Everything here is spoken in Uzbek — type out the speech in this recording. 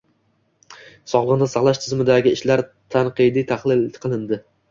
Sog‘liqni saqlash tizimidagi ishlar tanqidiy tahlil qilinding